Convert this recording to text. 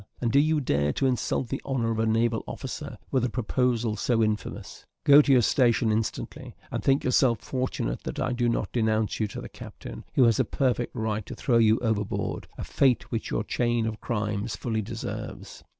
and do you dare to insult the honour of a naval officer with a proposal so infamous? Go to your station instantly, and think yourself fortunate that I do not denounce you to the captain, who has a perfect right to throw you overboard a fate which your chain of crimes fully deserves."